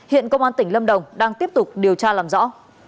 hiện công an tỉnh lâm đồng đang tiếp tục điều tra làm rõ